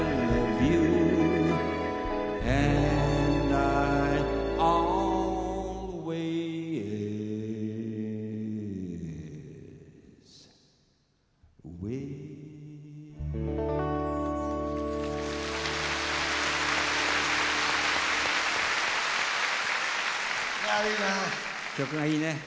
曲がいいね。